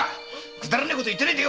くだらねえこと言ってねえで